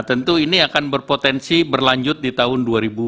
tentu ini akan berpotensi berlanjut di tahun dua ribu dua puluh